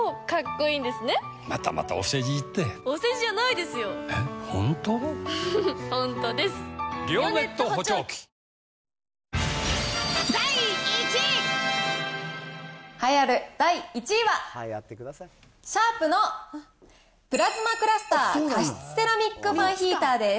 栄えある第１位は、シャープのプラズマクラスター加湿セラミックファンヒーターです。